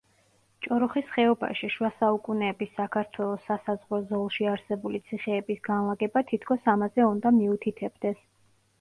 ჭოროხის ხეობაში, შუა საუკუნეების საქართველოს სასაზღვრო ზოლში არსებული ციხეების განლაგება თითქოს ამაზე უნდა მიუთითებდეს.